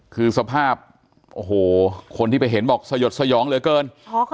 คือสภาพโอ้โหคนที่ไปเห็นบอกสยดสยองเหลือเกิน